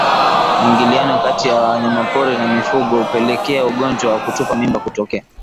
Mwingiliano kati ya wanyamapori na mifugo hupelekea ugonjwa wa kutupa mimba kutokea